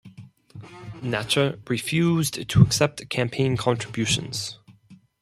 Natcher refused to accept campaign contributions.